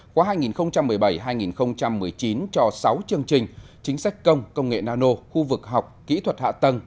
khóa hai nghìn một mươi bảy hai nghìn một mươi chín cho sáu chương trình chính sách công công nghệ nano khu vực học kỹ thuật hạ tầng